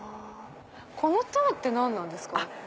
この塔って何なんですか？